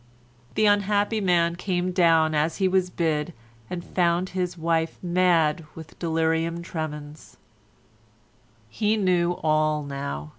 The unhappy man came down as he was bid and found his wife mad with delirium tremens. He knew all now.